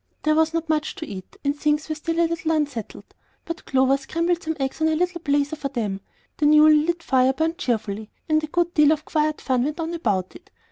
There was not much to eat, and things were still a little unsettled; but Clover scrambled some eggs on her little blazer for them, the newly lit fire burned cheerfully, and a good deal of quiet fun went on about it.